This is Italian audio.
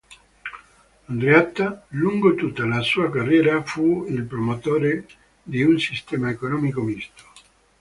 Andreatta, lungo tutta la sua carriera, fu il promotore di un sistema economico misto.